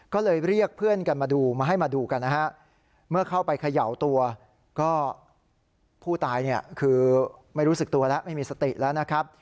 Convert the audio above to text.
ก็เลยเรียกเพื่อนกันมาดูมาให้มาดูกันนะฮะเมื่อเข้าไปเขย่าตัวก็ผู้ตายเนี่ยคือไม่รู้สึกตัวแล้วไม่มีสติแล้วนะครับ